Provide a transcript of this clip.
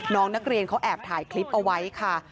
น้องนักเรียนเขาแอบถ่ายคลิปเอาไว้ค่ะ